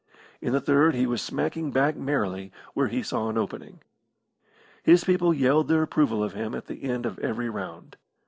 In the third he was smacking back merrily where he saw an opening. His people yelled their approval of him at the end of every round.